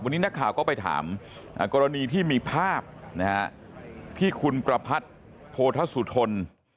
วันนี้นักข่าวก็ไปถามกรณีที่มีภาพที่คุณประพัทธ์โพธสุทน